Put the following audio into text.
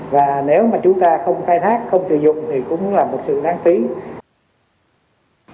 và nếu mà chúng ta không khai thác không sử dụng thì cũng là một sự đáng tiếc